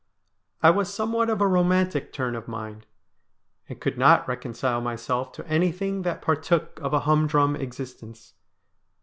I was somewhat of a romantic turn of mind, and could not reconcile myself to any thing that partook of a humdrum existence.